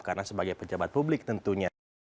karena sebagai pejabat publik tentunya